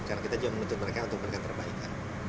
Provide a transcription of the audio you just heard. karena kita juga mencoba mereka untuk memberikan terbaik